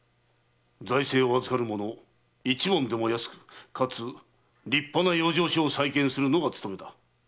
財政を預かる者一文でも安くかつ立派な養生所を再建するのが務めだ。